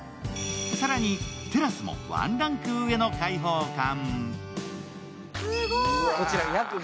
更に、テラスもワンランク上の開放感。